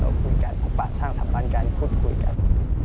เราพูดกันปฏิสร้างสัมภัณฑ์การพูดคุยกัน